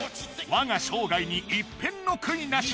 「わが生涯に一片の悔いなし！！」